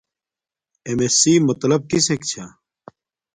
اݵم اݵس سی مطلپ کِسݵک چھݳ؟